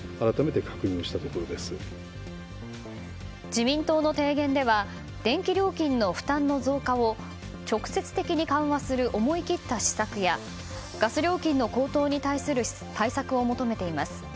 自民党の提言では電気料金の負担の増加を直接的に緩和する思い切った施策やガス料金の高騰に対する対策を求めています。